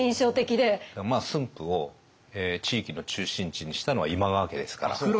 駿府を地域の中心地にしたのは今川家ですから。